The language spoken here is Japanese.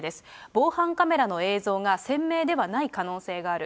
防犯カメラの映像が鮮明ではない可能性がある。